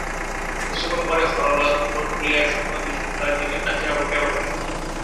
কিছুক্ষণ পরে হরলাল চোখ খুলিয়া শূন্য দৃষ্টিতে চারি দিকে চাহিয়া উঠিয়া বসিল।